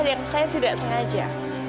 dan saya tidak sengaja